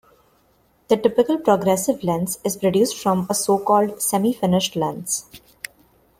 The typical progressive lens is produced from a so-called semi-finished lens.